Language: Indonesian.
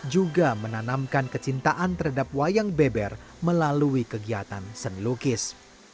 juga menanamkan kecintaan terhadap wayang beber melalui kegiatan seni lukis